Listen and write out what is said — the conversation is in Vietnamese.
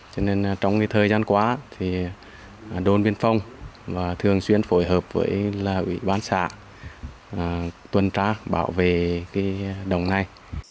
cho nên trong thời gian qua đôn biên phong thường xuyên phối hợp với ủy ban xã tuân trác bảo vệ đồng này